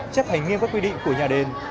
chấp hành nghiêm các quy định của nhà đền